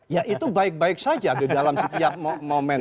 ya itu baik baik saja di dalam setiap momen